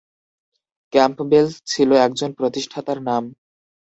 Campbell ছিল একজন প্রতিষ্ঠাতার নাম।